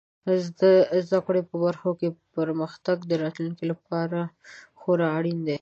زده کړې په برخو کې پرمختګ د راتلونکي لپاره خورا اړین دی.